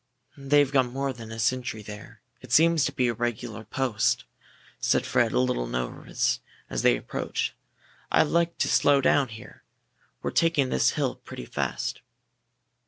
"They've got more than a sentry there. It seems to be a regular post," said Fred, a little nervous, as they approached. "I'd like to slow down here we're taking this hill pretty fast."